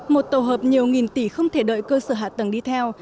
một tổ hợp nhiều nghìn tỷ không thể đợi cơ sở hạ tầng đi theo